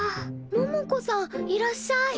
百子さんいらっしゃい。